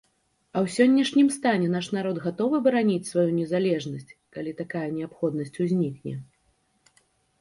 А ў сённяшнім стане наш народ гатовы бараніць сваю незалежнасць, калі такая неабходнасць узнікне?